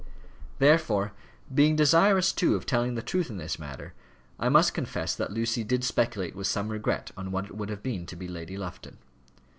Therefore, being desirous, too, of telling the truth in this matter, I must confess that Lucy did speculate with some regret on what it would have been to be Lady Lufton.